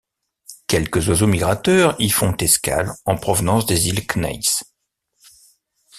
Quelques oiseaux migrateurs y font escale en provenance des îles Kneiss.